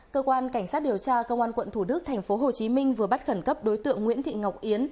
cơ quan cảnh sát điều tra công an quận thủ đức tp hcm vừa bắt khẩn cấp đối tượng nguyễn thị ngọc yến